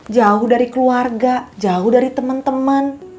jauh dari keluarga jauh dari temen temen